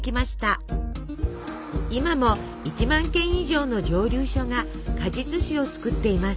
今も１万軒以上の蒸留所が果実酒を造っています。